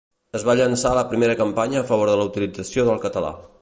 Es va llançar la primera campanya a favor de la utilització del català.